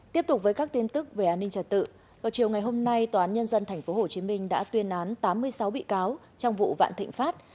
tiếp tục với các tin tức về an ninh trả tự vào chiều ngày hôm nay tòa án nhân dân thành phố hồ chí minh đã tuyên án tám mươi sáu bị cáo trong vụ vạn thịnh phát